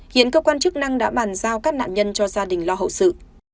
hiện cơ quan chức năng đã bàn giao các nạn nhân cho gia đình lo hậu sự